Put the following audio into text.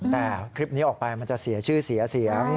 แต่คลิปนี้ออกไปมันจะเสียชื่อเสียเสียง